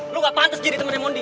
lu gak pantas jadi temannya mondi